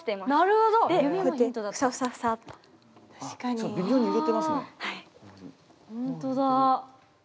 ほんとだ。